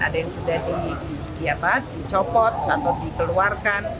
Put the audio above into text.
ada yang sudah dicopot atau dikeluarkan